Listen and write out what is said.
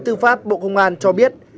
tư pháp bộ công an cho biết